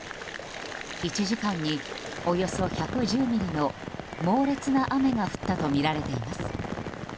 １時間におよそ１１０ミリの猛烈な雨が降ったとみられています。